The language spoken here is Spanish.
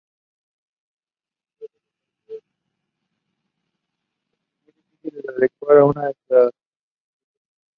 Los suelos aparecieron revueltos y muy difíciles de adecuar a una estratigrafía.